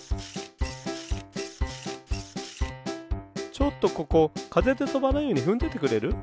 ちょっとここかぜでとばないようにふんどいてくれる？